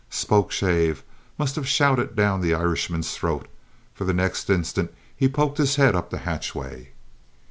Spokeshave must have shouted down the Irishman's throat, for the next instant he poked his head up the hatchway.